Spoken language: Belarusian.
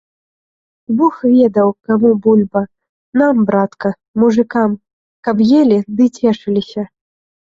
Бог ведаў, каму бульба, нам, братка, мужыкам, каб елі ды цешыліся.